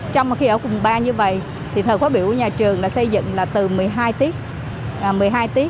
trong khi ở vùng ba như vậy thì thờ khóa biểu của nhà trường xây dựng là từ một mươi hai tiết